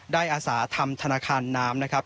ได้อาสาธรรมธนาคารน้ำนะครับ